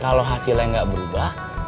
kalau hasilnya nggak berubah